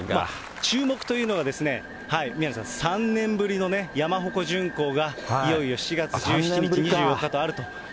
注目というのは、宮根さん、３年ぶりの山鉾巡行というのが、いよいよ７月１７日、２４日とあると。